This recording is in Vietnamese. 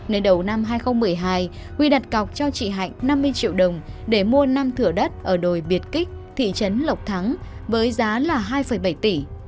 nên đầu năm hai nghìn một mươi hai huy đặt cọc cho chị hạnh năm mươi triệu đồng để mua năm thửa đất ở đồi biệt kích thị trấn lộc thắng với giá là hai bảy tỷ